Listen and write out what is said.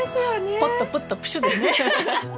ポッとプッとプシュッですね。